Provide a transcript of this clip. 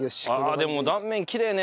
あでも断面きれいね。